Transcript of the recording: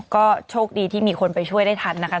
ก็โชคดีที่มีคนไปช่วยได้ทันนะคะ